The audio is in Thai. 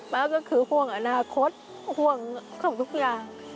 ก็คือห่วงอนาคตห่วงของทุกอย่าง